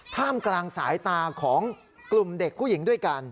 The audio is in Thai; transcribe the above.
ท่ามกลางสายตาของกลุ่มเด็กผู้หญิงด้วยกัน